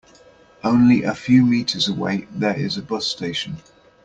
Only a few meters away there is a bus station.